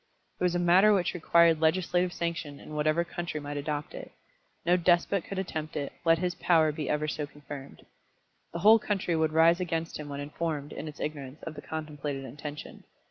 It was a matter which required legislative sanction in whatever country might adopt it. No despot could attempt it, let his power be ever so confirmed. The whole country would rise against him when informed, in its ignorance, of the contemplated intention.